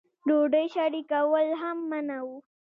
ډوډۍ شریکول هم منع وو.